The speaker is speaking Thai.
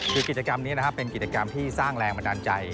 คือกิจกรรมนี้นะครับเป็นกิจกรรมที่สร้างแรงบันดาลใจ